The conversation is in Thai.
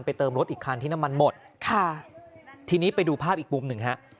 เติมรถอีกคันที่น้ำมันหมดค่ะทีนี้ไปดูภาพอีกมุมหนึ่งฮะ